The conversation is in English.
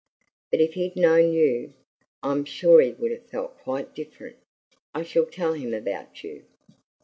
But if he'd known YOU, I'm sure he would have felt quite different. I shall tell him about you."